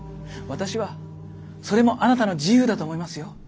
私はそれもあなたの自由だと思いますよ。